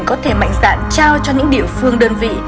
có thể mạnh dạn trao cho những địa phương đơn vị